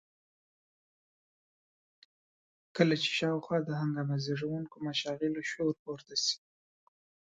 کله چې شاوخوا د هنګامه زېږوونکو مشاغلو شور پورته شي.